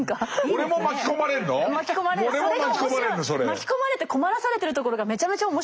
巻き込まれて困らされてるところがめちゃめちゃ面白いんですよ。